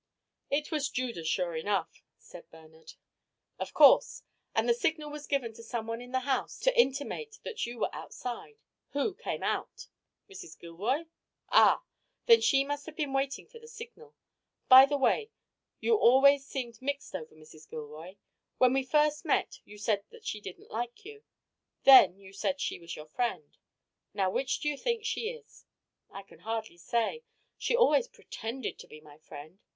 "It was Judas sure enough," said Bernard. "Of course. And the signal was given to someone in the house to intimate that you were outside. Who came out?" "Mrs. Gilroy?" "Ah! Then she must have been waiting for the signal. By the way, you always seemed mixed over Mrs. Gilroy. When we first met you said that she didn't like you. Then you said she was your friend. Now which do you think she is?" "I can hardly say. She always pretended to be my friend.